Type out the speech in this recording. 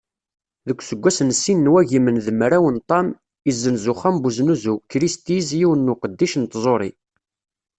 Deg useggas n sin n wagimen d mraw n ṭam, issenz uxxam n uznuzu Christie’s yiwen n uqeddic n tẓuri.